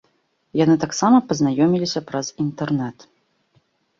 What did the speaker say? Яны таксама пазнаёміліся праз інтэрнэт.